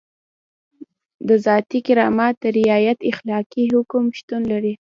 د ذاتي کرامت د رعایت اخلاقي حکم شتون لري.